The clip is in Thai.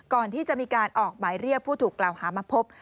ก่อนที่จะมีการออกหมายเรียกผู้ถูกกล่าวหามาพบ